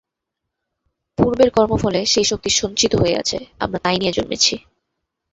পূর্বের কর্মফলে সে শক্তি সঞ্চিত হয়ে আছে, আমরা তাই নিয়ে জন্মেছি।